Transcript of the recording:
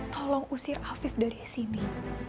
tolong usir afif dari sini